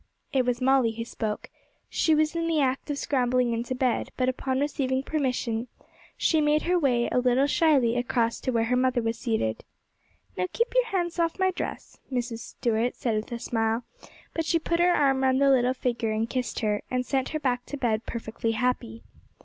It was Molly who spoke. She was in the act of scrambling into bed, but upon receiving permission she made her way, a little shyly, across to where her mother was seated. 'Now keep your hands off my dress,' Mrs. Stuart said with a smile; but she put her arm round the little figure and kissed her, and sent her back to bed perfectly happy.